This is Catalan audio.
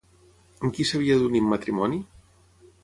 Amb qui s'havia d'unir en matrimoni?